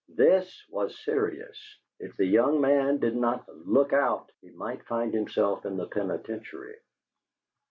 THIS was serious: if the young man did not LOOK OUT, he might find himself in the penitentiary.